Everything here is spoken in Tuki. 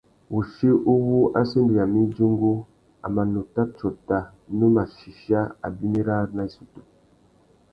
Wuchí uwú a sendéyamú idjungú, a mà nuta tsôta nu mà chichia abimî râā nà issutu.